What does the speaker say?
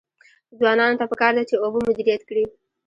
ځوانانو ته پکار ده چې، اوبه مدیریت کړي.